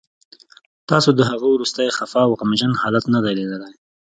تاسو د هغه وروستی خفه او غمجن حالت نه دی لیدلی